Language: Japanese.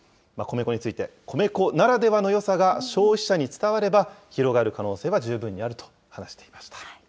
米粉について、米粉ならではのよさが消費者に伝われば、広がる可能性は十分にあると話していました。